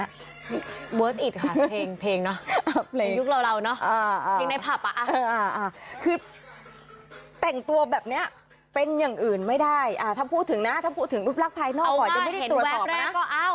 ถ้าพูดถึงรูปรักษณ์ภายนอกก่อนยังไม่ได้ตรวจตอบนะเอามาเห็นแวบแรกก็เอา